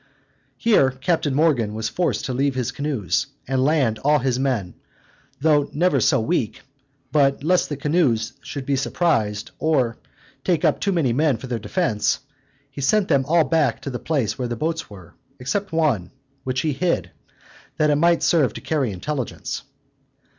Here Captain Morgan was forced to leave his canoes, and land all his men, though never so weak; but lest the canoes should be surprised, or take up too many men for their defense, he sent them all back to the place where the boats were, except one, which he hid, that it might serve to carry intelligence.